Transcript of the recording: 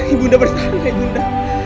ibunda bertahanlah ibunda